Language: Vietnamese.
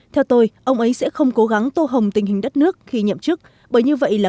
theo tôi ông ấy sẽ không cố gắng tô hồng tình hình đất nước khi nhậm chức bởi như vậy là